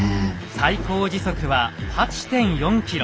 最高時速は８．４ｋｍ。